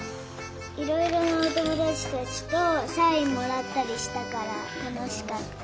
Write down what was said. いろいろなおともだちたちとサインもらったりしたからたのしかった。